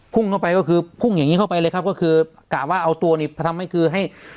พุ่งเข้าไปก็คือพุ่งอย่างนี้เข้าไปเลยครับก็คือกะว่าเอาตัวนี้มาทำให้คือให้